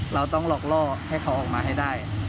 เราต้องหลอกล่อให้เขาออกมาให้ได้